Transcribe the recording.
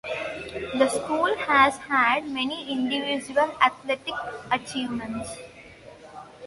The school has had many individual athletic achievements.